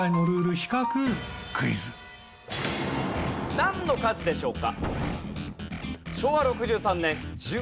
なんの数でしょうか？